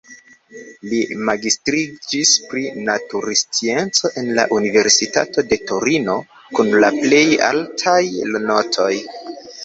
Li magistriĝis pri naturscienco en la universitato de Torino kun la plej altaj notoj.